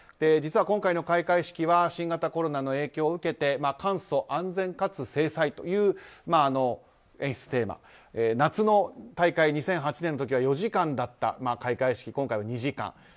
実は今回の開会式は新型コロナの影響を受けて「簡素・安全かつ精彩」という演出テーマ。夏の大会、２００８年の時は４時間だった開会式が今回は２時間。